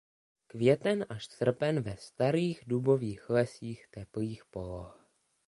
Květen až srpen ve starých dubových lesích teplých poloh.